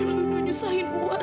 jangan menyusahin wak